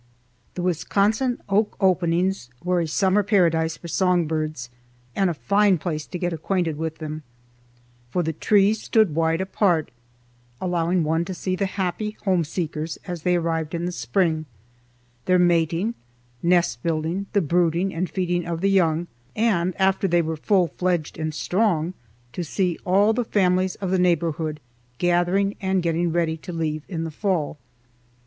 The Wisconsin oak openings were a summer paradise for song birds, and a fine place to get acquainted with them; for the trees stood wide apart, allowing one to see the happy homeseekers as they arrived in the spring, their mating, nest building, the brooding and feeding of the young, and, after they were full fledged and strong, to see all the families of the neighborhood gathering and getting ready to leave in the fall.